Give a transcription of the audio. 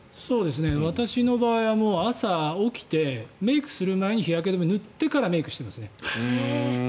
私の場合は朝、起きてメイクする前に日焼け止めを塗ってからメイクしていますね。